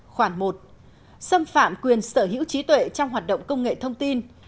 khoản một xâm phạm quyền sở hữu trí tuệ trong hoạt động công nghệ thông tin